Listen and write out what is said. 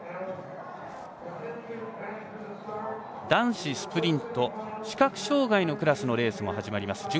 男子スプリント視覚障がいのクラスのレースも始まります。